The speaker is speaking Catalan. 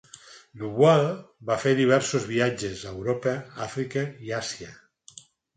Du Bois va fer diversos viatges a Europa, Àfrica i Àsia.